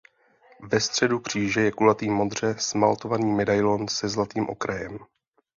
Ve středu kříže je kulatý modře smaltovaný medailon se zlatým okrajem.